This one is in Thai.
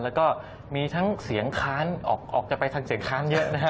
แล้วก็มีทั้งเสียงค้านออกจะไปทางเสียงค้านเยอะนะฮะ